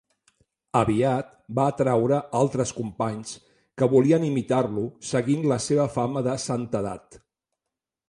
Aviat va atraure altres companys que volien imitar-lo, seguint la seva fama de santedat.